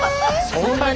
そんなに？